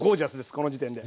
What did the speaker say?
この時点で。